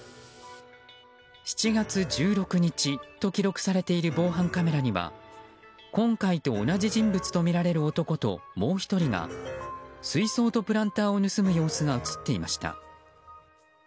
７月１６日と記録されている防犯カメラには今回と同じ人物とみられる男ともう１人が水槽とプランターを盗む様子が映っていました。